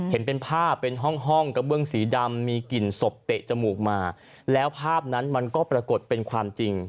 เห็นเป็นภาพเป็นห้องห้องกระเบื้องสีดำมีกลิ่นศพเตะจมูกมาแล้วภาพนั้นมันก็ปรากฏเป็นความจริง